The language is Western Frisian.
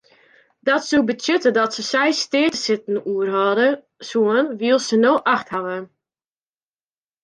Dat soe betsjutte dat se seis steatesitten oerhâlde soenen wylst se no acht hawwe.